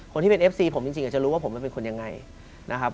คนที่เป็นเอฟซีผมจริงอาจจะรู้ว่าผมมันเป็นคนยังไงนะครับ